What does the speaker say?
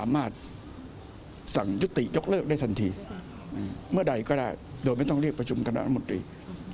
เมื่อใดก็ได้โดยไม่ต้องเรียกประชุมคะนางบุริษย์